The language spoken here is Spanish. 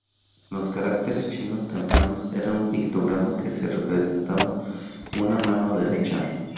En los caracteres chinos tempranos era un pictograma que representaba una mano derecha.